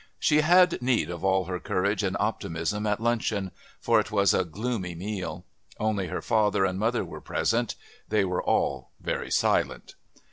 She had need of all her courage and optimism at luncheon, for it was a gloomy meal. Only her father and mother were present. They were all very silent.